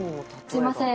すみません！